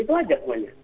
itu aja semuanya